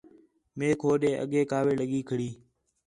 میک ہوݙے اڳّے کاوِڑ لڳی کھڑی